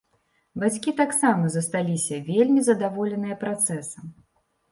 Бацькі таксама засталіся вельмі задаволеныя працэсам.